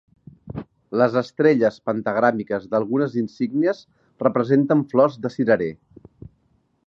Les estrelles pentagràmiques d'algunes insígnies representen flors de cirerer.